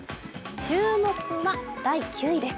注目は第９位です。